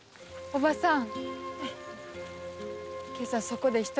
おばさん。